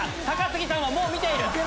高杉さんはもう見ている。